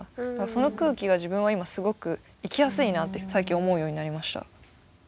その空気は自分は今すごく生きやすいなって最近思うようになりました。